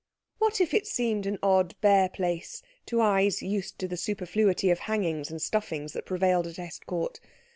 What if it seemed an odd, bare place to eyes used to the superfluity of hangings and stuffings that prevailed at Estcourt?